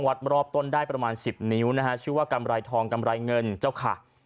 รอบต้นได้ประมาณ๑๐นิ้วนะฮะชื่อว่ากำไรทองกำไรเงินเจ้าค่ะ